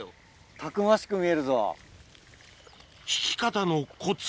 たくましく見えるぞ。